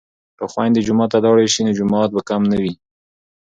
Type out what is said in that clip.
که خویندې جومات ته لاړې شي نو جماعت به کم نه وي.